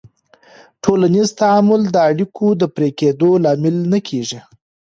ټولنیز تعامل د اړیکو د پرې کېدو لامل نه کېږي.